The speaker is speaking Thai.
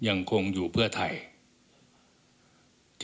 ยังคงอยู่เพื่อไทย